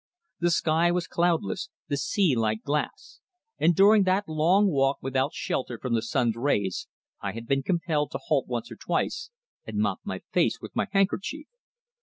The sky was cloudless, the sea like glass, and during that long walk without shelter from the sun's rays I had been compelled to halt once or twice and mop my face with my handkerchief.